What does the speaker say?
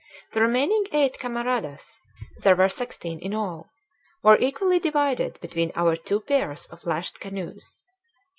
The remaining eight camaradas there were sixteen in all were equally divided between our two pairs of lashed canoes.